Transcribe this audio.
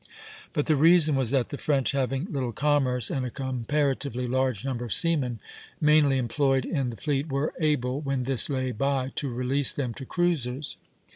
But the reason was that the French having little commerce and a comparatively large number of seamen, mainly employed in the fleet, were able, when this lay by, to release them to cruisers.